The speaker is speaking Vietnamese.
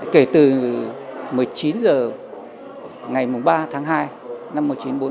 kể từ một mươi chín h ngày ba tháng hai năm một nghìn chín trăm bốn mươi